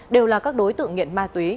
đều là các đối tượng nghiện ma túy